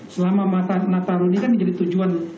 selama nataruni kan menjadi tujuan